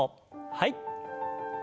はい。